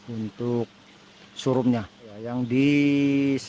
untuk karyawan yang beroperasi kita harus mencari karyawan yang beroperasi